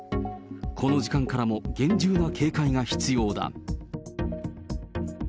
この時間からも厳重な警戒が必要だ。